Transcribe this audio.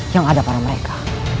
yang ada pada mereka